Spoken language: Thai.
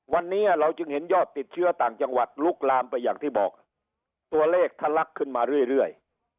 วันนี้เราจึงเห็นยอดติดเชื้อต่างจังหวัดลุกลามไปอย่างที่บอกตัวเลขทะลักขึ้นมาเรื่อย